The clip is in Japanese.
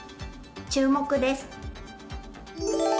注目です。